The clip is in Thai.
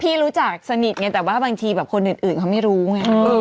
พี่รู้จักสนิทไงแต่ว่าบางทีแบบคนอื่นเขาไม่รู้ไง